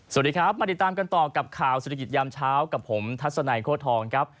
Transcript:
สวัสดีครับมาติดตามกันต่อกับข่าวเศรษฐกิจยามเช้ากับผมทัศนัยโค้ทองครับ